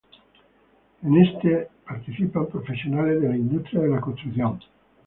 En este participan profesionales de la industria de la construcción.